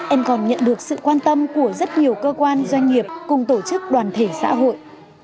em còn nhận được sự quan tâm của rất nhiều cơ quan doanh nghiệp cùng tổ chức đoàn thể xã hội